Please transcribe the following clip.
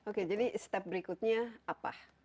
oke jadi step berikutnya apa